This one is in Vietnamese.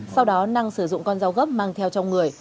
sau đó năng sử dụng con dao gấp mang theo trong người